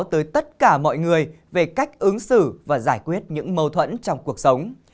đây là một lời cảnh báo tới tất cả mọi người về cách ứng xử và giải quyết những mâu thuẫn trong cuộc sống